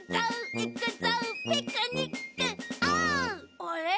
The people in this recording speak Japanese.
あれ？